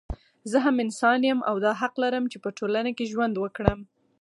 زه هم انسان يم او دا حق لرم چې په ټولنه کې ژوند وکړم